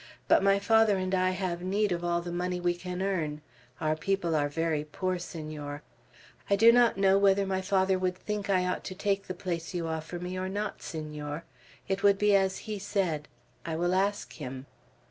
But my father and I have need of all the money we can earn. Our people are very poor, Senor. I do not know whether my father would think I ought to take the place you offer me, or not, Senor. It would be as he said. I will ask him."